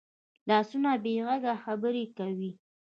لاسونه بې غږه خبرې کوي